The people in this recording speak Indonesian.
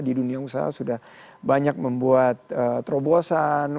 di dunia usaha sudah banyak membuat terobosan